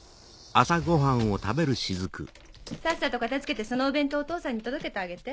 さっさと片付けてそのお弁当お父さんに届けてあげて。